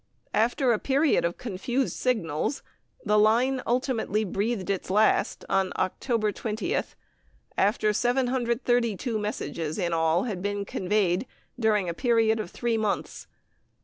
After a period of confused signals, the line ultimately breathed its last on October 20th, after 732 messages in all had been conveyed during a period of three months.